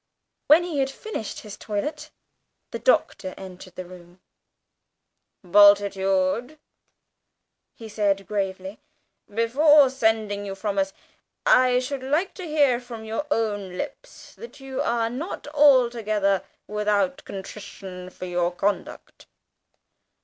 When he had finished his toilet, the Doctor entered the room. "Bultitude," he said gravely, "before sending you from us, I should like to hear from your own lips that you are not altogether without contrition for your conduct."